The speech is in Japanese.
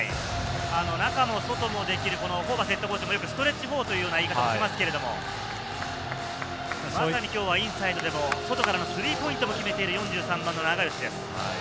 中も外もできる、ホーバスＨＣもよくストレッチフォーという言い方しますけど、まさに今日はインサイドでの外からのスリーポイントも決めている４３番・永吉です。